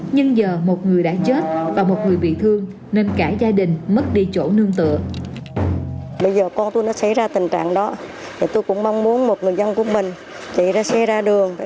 nhưng giờ một người đã chết và một người bị thương